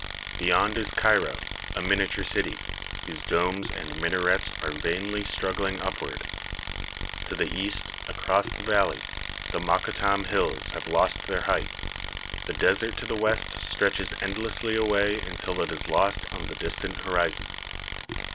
Beyond is Cairo, a miniature city, whose domes and minarets are vainly struggling upward. To the east, across the valley, the Mokattam hills have lost their height; the desert to the west stretches endlessly away until it is lost on the distant horizon.